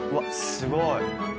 すごい。